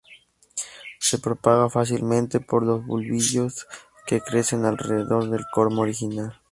Se propaga fácilmente por los bulbillos que crecen alrededor del cormo original.